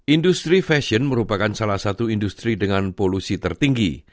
industri fashion merupakan salah satu industri dengan polusi tertinggi